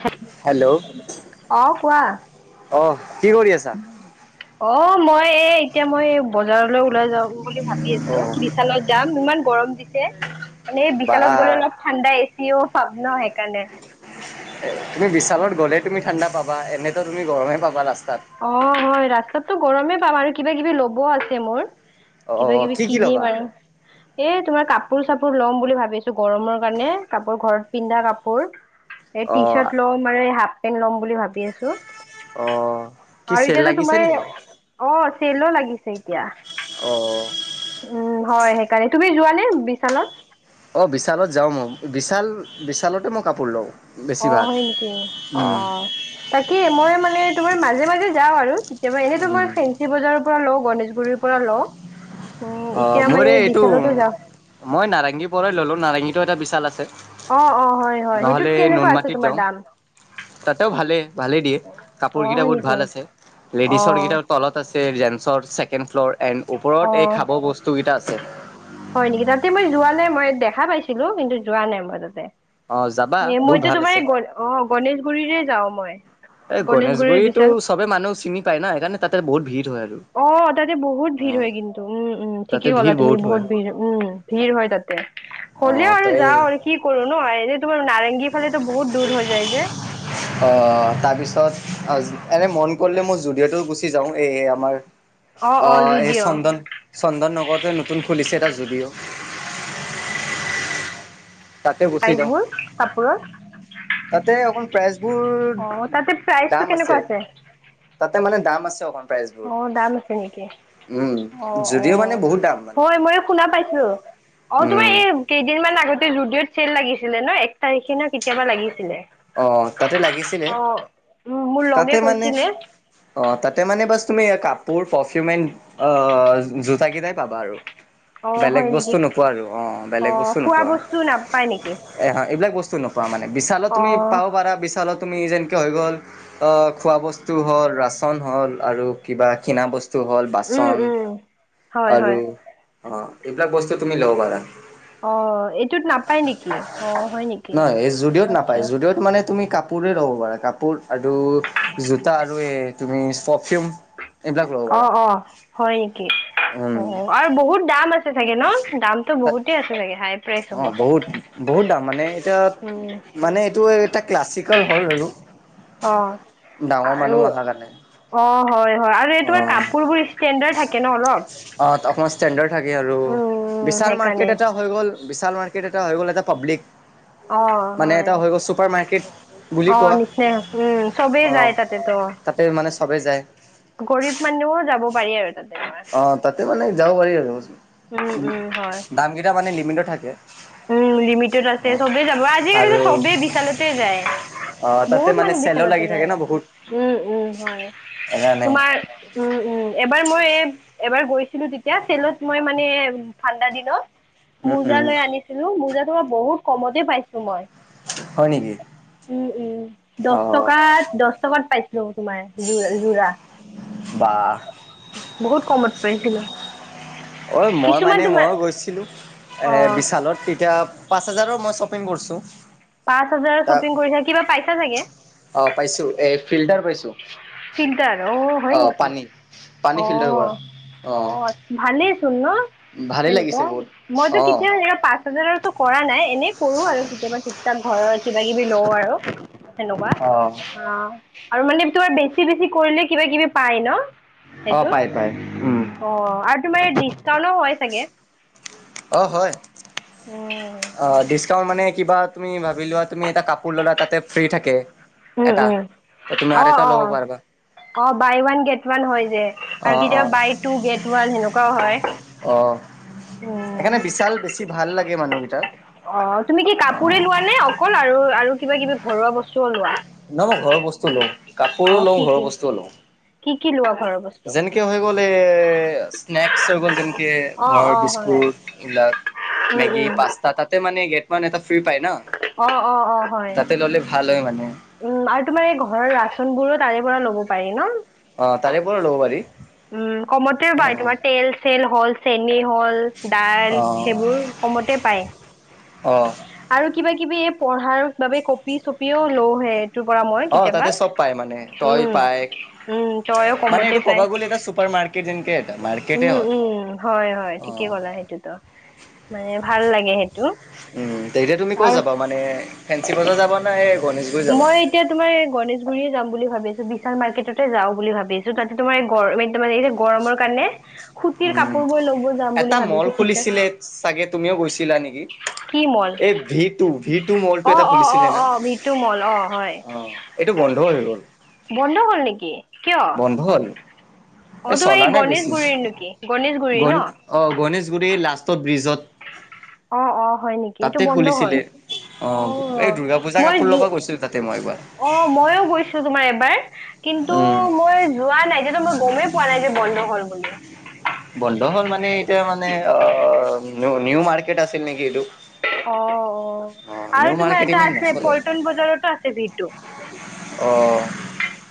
হে হেল্ল' অ কোৱা। অ কি কৰি আছা। অ মই এ এতিয়া মই বজাৰলৈ ওলাই যাম বুলি ভাবি আছো অহ বিশালত যাম ইমান গৰম দিছে। মানে বা বিশালত গ'লে অলপ ঠাণ্ডা এচিও পাম ন সেইকাৰণে। এ তুমি বিশালত গ'লে তুমি ঠাণ্ডা পাবা এনেতো তুমি গৰমে পাবা লাষ্ট। অ হয় ৰাস্তাতটো গৰমেই পাম আৰু কিবা কিবি ল'ব আছে মোৰ। কিবা অহ কিবি কি কি কিনি ল'বা? বাৰু। এই তোমাৰ কাপোৰ চাপোৰ ল'ম বুলি ভাবিছো গৰমৰ কাৰণে কাপোৰ ঘৰত পিন্ধা কাপোৰ। এই টি অহ চাৰ্ট লম আৰু হাপ পেন্ট ল'ম বুলি ভাবি আছো। অহ কি আৰু চেল এতিয়াতো লাগিছে তোমাৰ নেকি? অ চেলো লাগিছে এতিয়া। অ উম হয় সেইকাৰণে তুমি যোৱানে বিশালত অঁ বিশালত যাওঁ মই বিশাল বিশালতে মই কাপোৰ লওঁ অ বেছিভাগ। হয় নেকি অ উম তাকেই মই মানে তোমাৰ মাজে মাজে যাওঁ আৰু কেতিা এনেইতো মই উম ফেঞ্চি বজাৰৰ পৰা লওঁ গণেশগুৰিৰ পৰা লওঁ উম, অ এতিয়া মানে মোৰ এই এইটো বিশালতো যাওঁ। মই নাৰেংগীৰ পৰাই ললো নাৰেংগীতটো এটা বিশাল আছে। [unintelligible] অ অ হয় হয় নহ'লে সেইটোত কেনেকুৱা আছে নুনমাটিত তোমাৰ যাওঁ। দাম তাতেও ভালেই ভালেই দিয়ে কাপোৰ অ', কেইটা হয় বহুত নেকি? ভাল আছে লেডিছৰ কেইটা অ', তলত আছে। জেন্ছৰ ছেকেণ্ড ফ্ল'ৰ এণ্ড ওপৰত অ'। এক বস্তুকেইটা আছে। হয় নেকি তাতে মই যোৱালে মই দেখা পাইছিলো কিন্তু যোৱা নাই মই তাতে অঁ যাবা এ বহুত মইতো ভাল তোমাৰ আছে। এই গ অ গণেশগুৰিৰে যাও মই এই গণেশগুৰিৰ গণেশগুৰিতো বিশাল চবে মানুহ চিনি পায় ন সেইকাৰণ তাতে বহুত ভিৰ হয় আৰু। অ তাতে বহুত ভিৰ অঁ হয় কিন্তু উম উম তাতে ঠিকেই গ'লা ভিৰ তুমি হয়। বহুত ভিৰ উম ভিৰ হয় তাতে অঁ হ'লেও আৰু তই যা আৰু কি কৰো ন। তোমাৰ নাৰেংগী ফালেটো বহুত দূৰ হৈ যায় যে অঁ তাৰপিছত এনে মন কৰিলে মোৰ যুদিঅ'টো গুচি যাও এই আমাৰ অ এই চন্দন চন্দন নগৰতে নতুন খুলিছে এটা জু [unintelligible] [inaudible] চাইজবোৰ কাপোৰৰ তাতে অকণ প্ৰাইজ বোৰ অ তাতে প্ৰাইচটো দাম আছে কেনেকুৱা তাতে মানে দাম আছে অকন অ দাম আছে নেকি অ অ যদিও মানে বহুত দাম মানে হয় মইও শুনা পাইছো অ তোমাৰ উম এই কেইদিনমান আগতে জুডিঅ'ত চেল লাগিছিলে ন এক তাৰিখে ন কেতিয়াবা লাগিছিলে [unintelligible] অ তাতে লাগিছিলে অ উম মোৰ তাতে লগে মানে কৈছিলে অ তাতে মানে বস্ত তুমি কাপোৰ পাৰফিউমেন এড জোতা কেইটাই পাবা আৰু অ বেলেগ হয় বস্তু নেকি নোপোৱা আৰু অ বেলেগ অঁ বস্তু খোৱা নোপোৱা বস্তু নাপায় নেকি এহ এইবিলাক বস্তু নপোৱা মানে বিশালত তুমি অঁ পাব পাৰা বিশালত তুমি যেনেকৈ হৈ গ'ল খোৱা বস্তু হ'ল ৰাচন হ'ল আৰু কিবা কিনা বস্তু বস্তু হ'ল উম বাচন উম হয় হয় আৰু অ এইবিলাক বস্তু তুমি লব পাৰা অ এইটোত নাপায় নেকি অ হয় নেকি নহয় এই জুডিঅ'ত নাপায় আচ্ছা জুডিঅ'ত মানে তুমি কাপোৰে ল'ব পাৰা কাপোৰ আৰু জোতা আৰু এই তুমি পাৰফিউম এইবিলাক ল'ব অ পাৰা অ হয় নেকি উম অ আৰু বহুত দাম আছে চাগে ন দামটো তাত বহুতেই আছে চাগে হাই প্ৰাইচ অ হ'ব বহুত বহুত দাম মানে এতিয়া উম মানে এইটো এটা ক্লাছ চিকল হল হনো [unintelligible] অ আৰু কাৰণে অ হয় হয় আৰু এই অ তোমাৰ কাপোৰবোৰ ষ্টেণ্ডাৰ্ড থাকে ন অলপ তাত অকণমান ষ্টেণ্ডাৰ্ড থাকে আৰু উম বিশাল মাৰ্কেট সেইকাৰণে এটা হৈ গ'ল বিশাল মাৰ্কেট এটা হৈ গ'ল এটা পাব্লিক মানে এটা হৈ গ'ল চুপাৰ মাৰ্কেট বুলি আহ কোৱা নিচ্চহ উম চবেই অ যায় তাতেতো তাতে মানে চবে যায় [unintelligible] গৰীব মানুহও যাব পাৰি আৰু তাত অঁ তাতে মানে যাব পাৰি আৰু উম উম দামকেইটা মানে লিমিটত থাকে উ লিমিটেড আছে সবেই যাব আজিকালি আৰু সবেই বিশালতে যায় অ তাতে বহুত মানে মানুহ চেলো বিচালতে লাগি থাকে যায় ন বহুত উম উম হয় সেইকাৰণে তোমাৰ উম উম এবাৰ মই এবাৰ গৈছিলো তেতিয়া চেলত মই মানে ঠাণ্ডা দিনত [unintelligible] উম মোজা উম লৈ আনিছিলো মোজা তোমাৰ বহুত কমতে পাইছো মই। হয় নেকি উম উম অ দহ টকা দহ টকাত পাইছো ন তোমাৰ যৰা যোৰা বা বহুত কমত পাইছিলো। অ মই কিছুমান মানে তোমাৰ মইও গৈছিলো এ অ বিশালত এতিয়া পাঁচ হাজাৰৰ মই শ্বপিং কৰিছোঁ পাঁচ হাজাৰৰ তাত শ্বপিং কৰি থ কিবা পাইছা চাগে অ পাইছো এ ফিল্টাৰ পাইছোঁ ফিল্টাৰ অ হয় নেকি পানী অ ফিল্টাৰ কৰা অ ভালেই চোন ন ভালেই লাগিছে সেনেকুৱা বহুত মইতো অ কেতিয়া পা কৰা নাই এনেই কৰো আৰু কেতিয়াবা টুক টাক ঘৰৰত কিবা কিবি লও আৰু সেনেকুৱা অ আৰু মানে তোমাৰ বে বছি বেছি কৰিলে কিবা কিবি পায় ন অ সেইটোত পাই পাই উম অ তোমাৰ ডিচকাউন্টও হয় চাগে অ হয় উম, অ ডিচকাউন মানে কিবা তুমি ভাবি লোৱা তুমি এটা কাপোৰ ল'লা তাতে ফ্ৰ্ৰী থাকে উম, এটা উম, তুমি আৰু অ', এটা ল'ব অ', পাৰিবা অ বাই ওৱান গেট ওৱান হয় যে অ আৰু অ কেতিয়াবা বাই টু গেট ওৱান সেনেকুৱাও হয় অ উম। সেইকাৰণে বিশাল বেছি ভাল লাগে মানুহকেইটাক অ তুমি কি অ কাপোৰে লোৱা নে অকল আৰু আৰু কিবা কিবি ঘৰুৱা বস্তুও লোৱা ন নহ ঘৰৰ বস্তুও লওঁ কাপোৰো অ কি লওঁ ঘৰৰ কি বস্তুও লওঁ কি কি লোৱা ঘৰ বস্তু যেনেকে হৈ গ'ল এই স্নেক্স হৈ গ'ল যেনেকে অ ঘৰৰ অ হয় বিস্কুট এইবিলাক উম মেগী উম পাস্তা তাতে মানে গেট মানে এটা ফ্ৰী পায় অ অ অ ন হয় তাতে ললে ভাল হয় মানে উম আৰু তোমাৰ এই ঘৰৰ ৰাচন বোৰো তাৰে পৰা ল'ব পাৰি ন অ তাৰে পৰা ল'ব পাৰি উম কমতেও বাই তোমাৰ তেল চল হ'ল হল দাই অ সেইবোৰ কমতে পায় অ অ আৰু কিবা কিবি এই পঢ়াৰ বাবে কঁপি চপিও লওঁহে তো পৰা মই অ কেতিয়াবা তাতে চব পায় মানে টয় উম পায় উম তইও মানে কমতে এইটো ক'ব পাই গ'লে এটা চুপাৰ মাৰ্কেট এনকে উম উম হয় হয় ঠিকে কলা সেইটোতো মানে ভাল লাগে সেইটো উম তেতিয়া তুমি ক'ত আৰু যাবা মানে ফেঞ্চি বজাৰ যাবা না এই গণেশ মই এতিয়া তোমাৰ এই গনেশগুৰিয়ে যাম বুলি ভাবিছো। বিশাল মাৰ্কেটতে যাও বুলি ভাবিছো তাতে তোমাৰ গৰ তাৰে এই যে গৰমৰ কাৰণে সুতিৰ উম কাপোৰবোৰ ল'ব যাম বুলি এটা ভাবি মল আছো টি চাৰ্ট খুলিছিলে চাগে তুমিও গৈছিলা নেকি কি মল এই ভি টু ভি টু মলটো অ এটা অ অ খুলিছিলে না অ ভিতু মল অ হয় অ এইটো বন্ধ হৈ গ'ল বন্ধ হ'ল নেকি কিয় বন্ধ অ হল এ তোমাৰ চলা এই নে বেছি গণেশগুৰিৰ নেকি গণেশগুৰিৰ ন গণ অ গণেশগুৰি লাষ্টত ব্ৰিজত অ অ হয় নেকি এইটো তাতে বন্ধ হ'ল খুলিছিলে। অ এই দুৰ্গা পূজা মই কাপোৰ য ল'ব গৈছিলো তাতে মই এবাৰ। অ মইয়ো গৈছো তোমাৰ এবাৰ কিন্তু উম মই যোৱা নাই যে মই গমেই পোৱা নাই যে বন্ধ হ'ল বুলি। বন্ধ হল মানে এতিয়া মানে অ নিউ মাৰ্কেট আছিল নেকি এইটো অ অ অ নিউ আৰু তোমাৰ মাৰ্কেট এটা ইমান আছে নচলে পল্টন বজাৰতো আছে ভি টু অ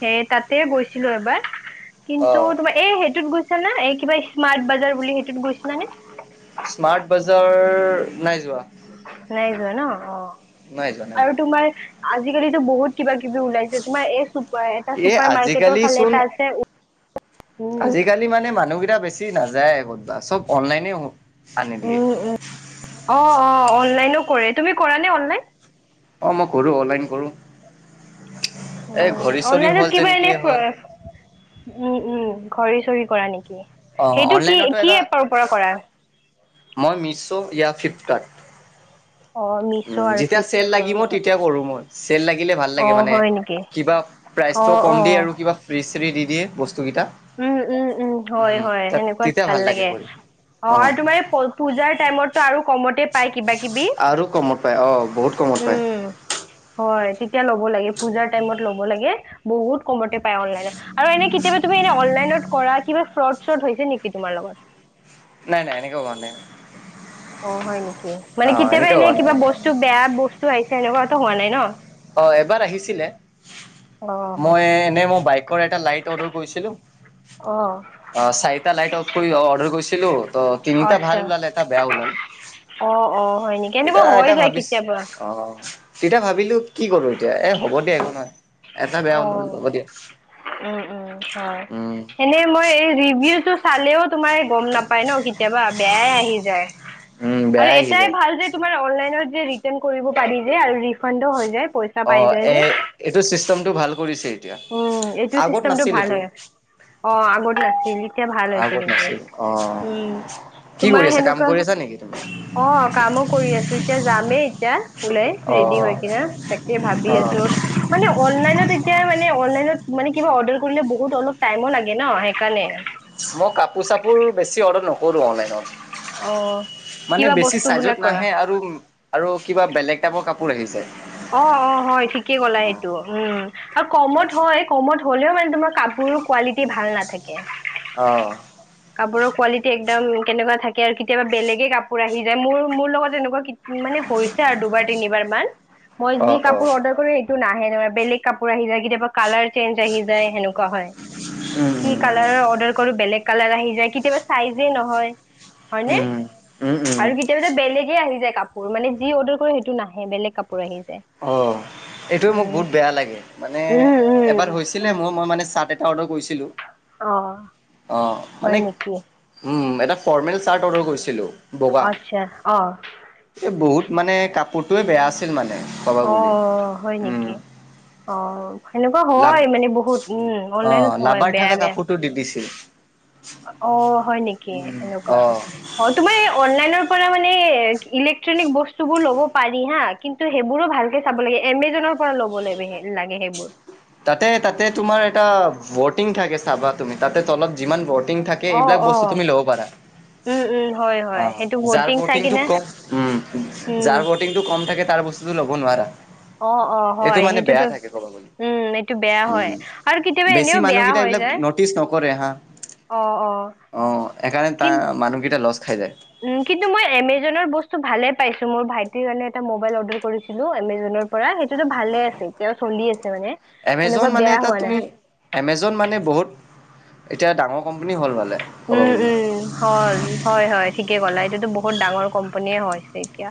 সেই তাতে গৈছিলো এবাৰ অ কিন্তু তোমাৰ এই সেইটোত গৈ না এই কিবা স্মাৰ্ট বাজাৰ বুলি সেইটোত গৈছিলানে স্মাৰ্ট বজাৰ নাই যোৱা। নাই যোৱা ন অ নাই যোৱা নাই যোৱা আজিকালি তো বহুত কিবা কিবি ওলাইছে, তোমাৰ এই চুপাৰ এটা এ চুপাৰ মাৰ্কেটৰ আজিকালি ফালে চোন এটা আছে উম আজিকালি মানে মানুহকেইটা বেছি নাযায় ক'তবা, চব অনলাইনে। আনি দিয়ে উম' উম' অহ অহ অনলাইনো কৰে, তুমি কৰা নে অনলাইন? অহ' মই কৰোঁ, অনলাইন কৰোঁ। অনলাইনত হ'ল কিবা এনে যেনেকি ফ হ'ল উম উম' ঘড়ী-চৰি কৰা নেকি, অ সেইটো কি অনলাইনতো কি এটা এপৰ পৰা কৰা? মই মিছো ইয়া ফ্লিপকাৰ্ট। অ মিছ' উম' আৰু যেতিয়া চেল ফ্লিপকাৰ্ট লাগিব, কৰিব তেতিয়া কৰো মই। তেল লাগিলে ভাল অ লাগে মানে, হয় নেকি কিবা অ প্ৰাইচটোও কম অ দিয়ে আৰু কিবা ফ্ৰী চ্ৰী দি দিয়ে বস্তু উম উম উম হয় হয় তাত সেনেকুৱা তেতিয়া ভাল লাগে। কৰি অ আৰু তোমাৰ এই পূজাৰ টাইমতো আৰু কমতে পায় কিবা-কিবি। আৰু কমত পায়, অঁ বহুত কমত পায়। হয় তেতিয়া ল'ব লাগে পূজাৰ টাইমত ল'ব লাগে, বহুত কমতে পাই অনলাইনত আৰু এনে কেতিয়াবা তুমি এনে অনলাইনত কৰা কিবা ফ্ৰদ-শ্বৰ্দ হৈছে নেকি তোমাৰ লগত? নাই নাই এনেকে হোৱা নাই। অ হয় নেকি, মানে অ', কেতিয়াবা এনেকে হোৱা এনেই নাই কিবা মানে বস্তু বেয়া বস্তু আহিছে এনেকুৱা হোৱা নাই ন। অ এবাৰ আহিছিলে, অ মই এনে মোৰ বাই কৰ এটা লাইট অৰ্ডাৰ কৰিছিলো। অ' অ চাৰিটা লাইট কৰি অৰ্ডাৰ কৰিছিলো, ত তিনিটা আচ্ছা ভাল ওলাল এটা বেয়া ওলাল। অ অ হয় নেকি এনেকুৱা এতিয়া হৈ এটা যায় ভাবিছ কেতিয়াবা। অ', তেতিয়া ভাবিলো কি কৰো এতিয়া, এ হ'ব দে একো নহয়। এটা বেয়া অ ওলাল হ'ব দিয়া। উম উম হয়, উম, সেনে মই এই ৰিভিউটো তোমাৰে গম নাপায় ন, কেতিয়াবা বেয়াই আহি যায়। উম, আৰু বেয়া আহি এটাই যায়। ভাল যে তোমাৰ অনলাইন যে ৰিৰ্তান কৰিব পাৰি যে, আৰু ৰিফান্দো হয় যায় পইচা পাই অহ যায় এ যে। এইটো চিষ্টেমটো ভাল কৰিছিল। উম, এইটো আগত চিষ্টেমটো নাছিল ভাল এইটো। হয়। অ', আগত নাছিল এতিয়া ভাল হৈছে আগত কিন্তু। নাছিল অহ' উম, কি কৰি আছা কাম কৰি আছা নেকি তুমি? অহ কামো কৰি আছো এতিয়া যামেই এতিয়া। উলাই ৰেডি অ', হৈ কিনে তাকে ভাবি অ', আছো, মানে অনলাইনত এতিয়া মানে অনলাইনত মানে কিবা অৰ্ডাৰ কৰিলে বহুত অলপ টাইমো লাগে ন, সেইকাৰণে। মই কাপোৰ চাপোৰ বেছি অৰ্ডাৰ নকৰো অ অনলাইনত। মানে কিবা বেছি বস্তু বিলাক চাইজত কৰা নাহে আৰু আৰু কিবা বেলেগ টাইপৰ কাপোৰ আহি যায়। অহ অহ হয় ঠিকে কলা সেইটো, উম আৰু কমত হয় কমত হ'লেও মানে তোমাৰ কাপোৰ কোৱালিটি ভাল নাথাকে। অ'হ কাপোৰৰ কোৱালিটি একদম কেনেকুৱা থাকে, আৰু কেতিয়াবা বেলেগে কাপোৰ আহি যায়, মোৰ মোৰ লগত এনেকুৱা মানে হৈছে আৰু দুবাৰ, তিনিবাৰ মান। মই যি অ', অ', কাপোৰ অৰ্ডাৰ কৰো সেইটো নাহে নহয়, বেলেগ কাপোৰ আহি যায় কেতিয়াবা কালাৰ চেঞজ আহি যায়, সেনেকুৱা- কোৱা হয়, উম, কি উম, কালাৰ অৰ্ডাৰ কৰো বেলেগ কালাৰ আহি যায়, কেতিয়াবা চাইজে নহয় হয়নে, উম, উম, উম, আৰু কেতিয়াবা বেলেগে আহি যায় কাপোৰ। কাপোৰ মানে যি অৰ্ডাৰ কৰে সেইটো নাহে, বেলেগ কাপোৰ আহি যায় অহ এইটোয়ে মোক উম বহুত বেয়া লাগে, মানে উম উম এবাৰ হৈছিলে মোৰ মই মানে চা অৰ্ডাৰ কৰিছিলোঁ, অ অহ হয় মানে নেকি উম এটা ফৰ্মেল চাৰ্ট অৰ্ডাৰ কৰিছিলোঁ। বগা, আচ্ছা অ এই বহুত মানে কাপোৰটোৱে বেয়া আছিল মানে। কবা বুলি অহ হয় উম নেকি। অ'হ সেনেকুৱা লাভ হয় মানে বহুত, উম' অ অনলাইনত হয় লাভাৰ বেয়া থকা বেয়া- কাপোৰটো দি দিছিল অহ হয় নেকি এনেকুৱা, অ অ তোমাৰ অনলাইনৰ পৰা মানে উ [unintelligible] [unintelligible] ইলেক্ট্ৰনিক বস্তুবোৰ ল'ব পাৰি হা কিন্তু সেইবোৰো ভালকে চাব লাগে এমেজনৰ পৰা ল'ব লাগে হে [unintelligible] লাগে সেইবোৰ [unintelligible] তাতে-তাতে তোমাৰ এটা বটিং থাকে চাবা তুমি তাতে তলত [unintelligible] যিমান বৰ্টিং থাকে অ', এইবিলাক বস্তু অ', তুমি ল'ব পাৰা উম, উম, হয় হয় সেইটো অহ যাৰ বটিং চাই বটিংটো কিনে কম উম উম। যাৰ ব'টিংটো কম থাকে তাৰ বস্তুটো ল'ব কাপোৰ নোৱাৰা অ', অ', হয় এইটো মানে বেয়া সেইটোতো থাকে ক'ব গ'লে উম, এইটো বেয়া হয় উম আৰু কেতিয়াবা বেছি এনেও বেয়া মানুহকেইটা হৈ এইবিলাক যায়। নটিচ নকৰে হা অ', অ', অহ সেইকাৰণে তাৰ কিন্তু মানুহকেইটা লচ খাই যায় উম কিন্তু মই এমেজন বস্তু ভালে পাইছো মোৰ ভাইটিৰ কাৰণে এটা মোবাইল অৰ্ডাৰ কৰিছিলো এমেজনৰ পৰা সেইটোতো ভালে আছে এতিয়াও চলি আছে মানে এমেজন সেনেকুৱা মানে বেয়া এটা হোৱা নাই তুমি এমেজন মানে বহুত এতিয়া ডাঙৰ কোম্পানী হ'ল ভালে উম উম, হল হয় হয় ঠিকে ক'লা এইটোতো বহুত ডাঙৰ কোম্পনীয়ে হৈছে এতিয়া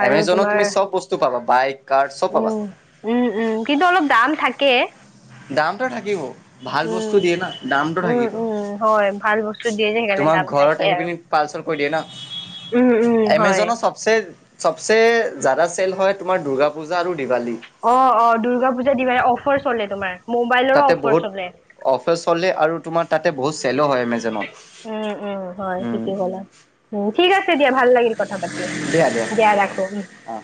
আৰু এমেজনত তোমাৰ তুমি চব বস্তু পাবা বাইক কাৰ চব পাবা উম উম উম কিন্তু অলপ দাম থাকে দামটো থাকিব ভাল উম বস্তু দিয়ে না দামটো উম থাকিব উম হয় ভাল বস্তু দিয়ে যে সেইকাৰণে তোমাক দাম ঘৰত থাকে আহি আৰু পিনি পাৰচেল গৈ দিয়ে ন উম উম হয় এমেজনৰ চবচে চবচে জাদা চেল হয় তোমাৰ দূৰ্গা পূজা আৰু দিৱালী অহ অহ দুৰ্গা পূজা, দিৱালী অফাৰ চলে তোমাৰ মোবাইলৰ তাতে অফাৰ বহুত চলে অফাৰ চলে আৰু তোমাৰ তাতে বহুত চেলো হয় উম উম হয় এমেজনত উম ঠিকেই ক'লা। উম ঠিক আছে দিয়া ভাল লাগিল কথা পাতি দিয়া ৰাখো উম অ